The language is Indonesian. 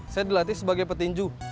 saya dilatih sebagai petinju